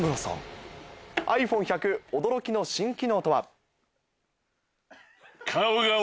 ｉＰｈｏｎｅ１００驚きの新機能とは？